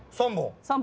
３本。